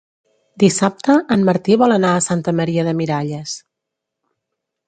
Dissabte en Martí vol anar a Santa Maria de Miralles.